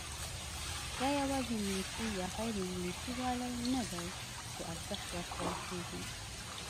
دا یوازې انګلیسي یا غیر انګلیسي والی نه دی چې ارزښت ورکول کېږي.